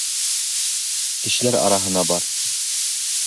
Кешеләр араһына бар.